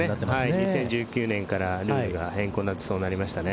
２０１９年からルールが変更になってそうなりましたね。